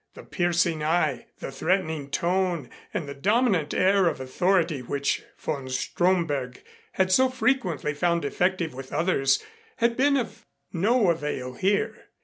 The piercing eye, the threatening tone and the dominant air of authority which von Stromberg had so frequently found effective with others had been of no avail here.